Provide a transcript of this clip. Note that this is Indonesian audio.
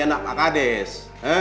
anak pak kades